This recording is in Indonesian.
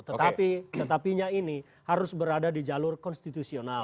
tetapi tetapinya ini harus berada di jalur konstitusional